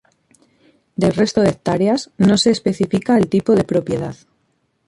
Del resto de las hectáreas no se especifica el tipo de propiedad.